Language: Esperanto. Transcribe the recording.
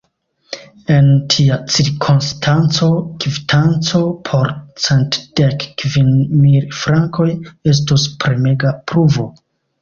En tia cirkonstanco, kvitanco por cent dek kvin mil frankoj estus premega pruvo.